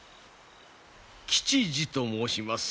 吉次と申します。